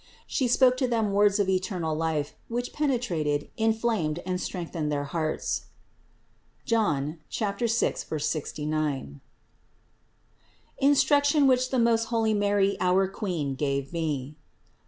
She spoke to them words of eternal life, which penetrated, inflamed and strengthened their hearts (John 6, 69). INSTRUCTION WHICH THE MOST HOLY MARY OUR QUEEN GAVE ME.